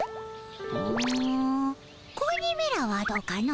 うん子鬼めらはどうかの？